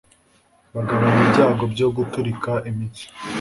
bagabanya ibyago byo guturika imitsi